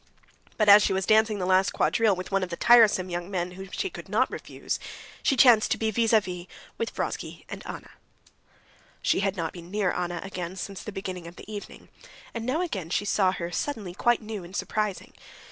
But as she was dancing the last quadrille with one of the tiresome young men whom she could not refuse, she chanced to be vis à vis with Vronsky and Anna. She had not been near Anna again since the beginning of the evening, and now again she saw her suddenly quite new and surprising.